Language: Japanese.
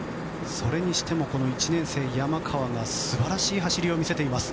それにしても１年生の山川が素晴らしい走りを見せています。